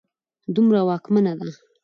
دومره واکمنه ده